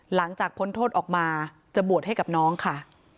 พ้นโทษออกมาจะบวชให้กับน้องค่ะ